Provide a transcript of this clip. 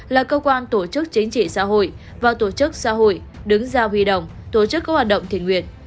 là cơ quan tổ chức chính trị xã hội và tổ chức xã hội đứng ra huy động tổ chức các hoạt động thiện nguyện